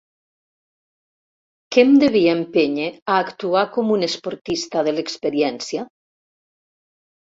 ¿Què em devia empènyer a actuar com un esportista de l'experiència?